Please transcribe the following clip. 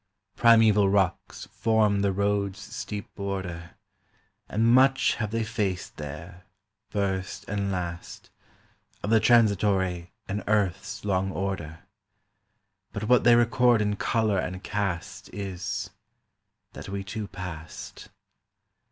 Primaeval rocks form the road's steep border, And much have they faced there, first and last, Of the transitory in Earth's long order; But what they record in colour and cast Is—that we two passed.